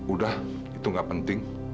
udah itu gak penting